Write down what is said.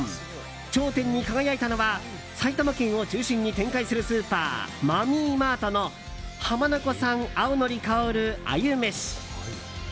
頂点に輝いたのは埼玉県を中心に展開するスーパーマミーマートの浜名湖産青のり香る鮎めし。